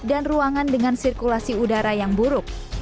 dan ruangan dengan sirkulasi udara yang buruk